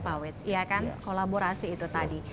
pak wit ya kan kolaborasi itu tadi